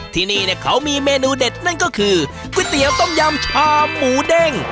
ที่นี่เขามีเมนูเด็ดนั่นก็คือก๋วยเตี๋ยวต้มยำชามหมูเด้ง